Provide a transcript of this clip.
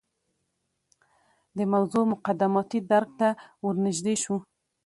د موضوع مقدماتي درک ته ورنژدې شو.